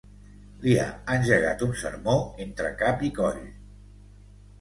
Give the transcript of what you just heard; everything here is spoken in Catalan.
Li ha engegat un sermó entre cap i coll.